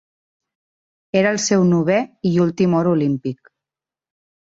Era el seu novè i últim or olímpic.